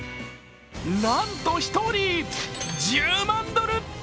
なんと１人、１０万ドル。